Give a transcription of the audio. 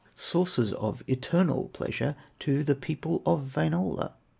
Sources of eternal pleasure To the people of Wainola.